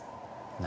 「何？